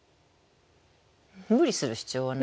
無理する必要はないよ。